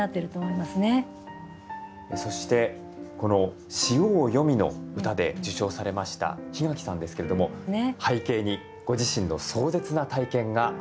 そしてこの「潮を読み」の歌で受賞されました檜垣さんですけれども背景にご自身の壮絶な体験があったということなんです。